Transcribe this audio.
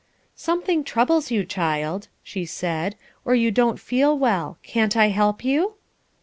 "Something troubles you, child," she said, "or you don't feel well. Can't I help you?"